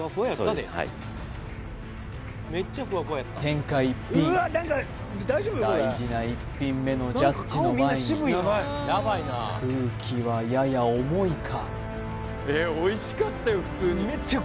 天下一品大事な１品目のジャッジの前に空気はやや重いか？